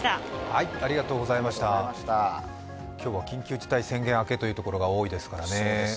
今日は緊急事態宣言明けというところが多いですからね。